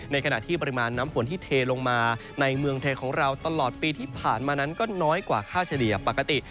ขณะที่ปริมาณน้ำฝนที่เทลงมาในเมืองไทยของเราตลอดปีที่ผ่านมานั้นก็น้อยกว่าค่าเฉลี่ยปกติ